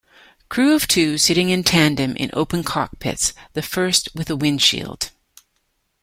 Crew of two, sitting in tandem in open cockpits, the first with a windshield.